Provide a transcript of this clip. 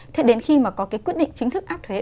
thế đến khi mà có cái quyết định chính thức áp thuế